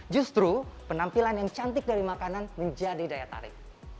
justru penampilan yang cantik dari makanan menjadi daya tarik